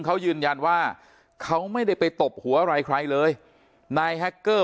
เขายืนยันว่าเขาไม่ได้ไปตบหัวอะไรใครเลยนายแฮคเกอร์